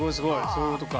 そういうことか。